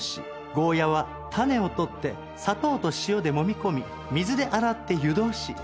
ゴーヤは種を取って砂糖と塩でもみ込み水で洗って湯通し。